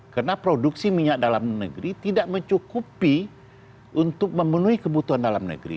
karena produksi minyak dalam negeri tidak mencukupi untuk memenuhi kebutuhan dalam negeri